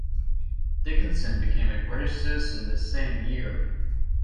Dickinson became a British citizen the same year.